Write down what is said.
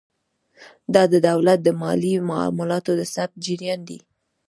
دا د دولت د مالي معاملاتو د ثبت جریان دی.